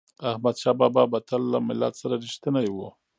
احمدشاه بابا به تل له ملت سره رښتینی و.